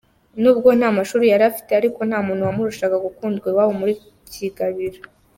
Nubwo nta mashuri yari afite, ariko nta muntu wamurushaga gukundwa iwabo muri Kigabiro.